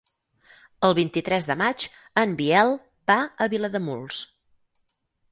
El vint-i-tres de maig en Biel va a Vilademuls.